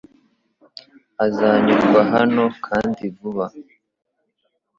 uzanyurwa hano kandi vuba